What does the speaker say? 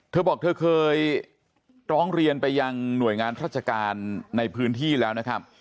เธอบอกเธอเคยร้องเรียนไปยังหน่วยงานราชการในพื้นที่แล้วนะครับ